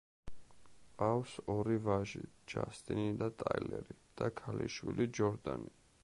ჰყავს ორი ვაჟი, ჯასტინი და ტაილერი, და ქალიშვილი, ჯორდანი.